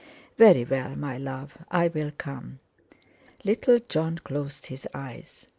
"Very well, my love, I'll come." Little Jon closed his eyes.